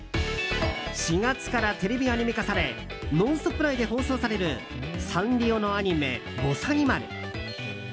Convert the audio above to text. ４月からテレビアニメ化され「ノンストップ！」内で放送されるサンリオのアニメ「ぼさにまる」。